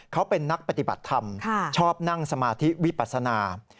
เขาเป็นนักปฏิบัติธรรมชอบนั่งสมาธิวิปัสนา